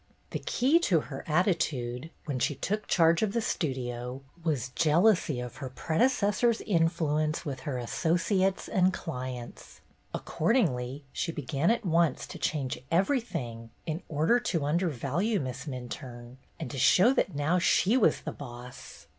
The key to her attitude, when she took MISS SNELL 193 charge of the Studio, was jealousy of her predecessor's influence with her associates and clients. Accordingly, she began at once to change everything in order to undervalue Miss Minturne, and to show that now she was the "boss."